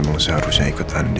rena memang seharusnya ikut andin